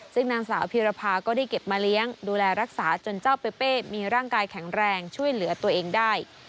ซึ่งนางสาวพีรภาก็ได้เก็บมาเลี้ยงดูแลรักษาจนเจ้าเปเป้มีร่างกายแข็งแรงช่วยเหลือตัวเองได้